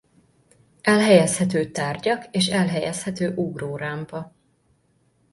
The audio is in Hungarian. Elhelyezhető tárgyak és elhelyezhető ugró rámpa.